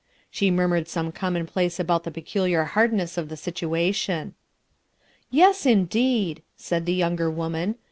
She murmured some commonplace about the peculiar hardness of the situation. 11 Yes, indeed/' raid the younger woman.